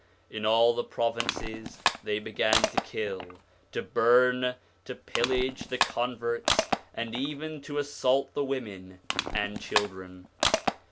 In all the provinces they began to kill, to burn, to pillage the converts and even to assault the women and children.